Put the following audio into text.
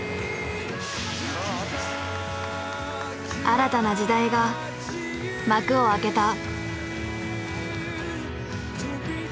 新たな時代が幕を開けた。